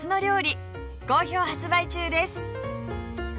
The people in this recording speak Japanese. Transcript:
好評発売中です